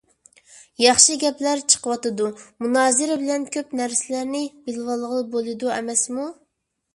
ياخشى گەپلەر چىقىۋاتىدۇ. مۇنازىرە بىلەن كۆپ نەرسىلەرنى بىلىۋالغىلى بولىدۇ ئەمەسمۇ.